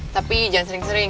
tapi jangan sering sering